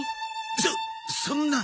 そそんな。